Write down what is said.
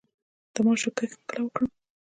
د ماشو کښت کله وکړم؟